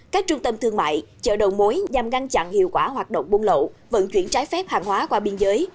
các trung tâm thương mại chợ đầu mối nhằm ngăn chặn hiệu quả hoạt động buôn lậu vận chuyển trái phép hàng hóa qua biên giới